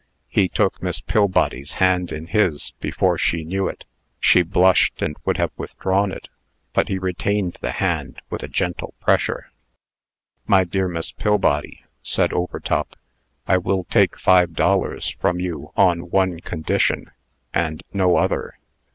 He took Miss Pillbody's hand in his, before she knew it. She blushed, and would have withdrawn it; but he retained the hand with a gentle pressure. "My dear Miss Pillbody," said Overtop, "I will take five dollars from you on one condition, and no other.